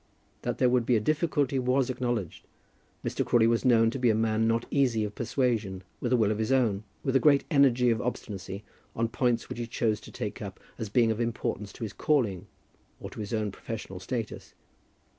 That there would be a difficulty was acknowledged. Mr. Crawley was known to be a man not easy of persuasion, with a will of his own, with a great energy of obstinacy on points which he chose to take up as being of importance to his calling, or to his own professional status.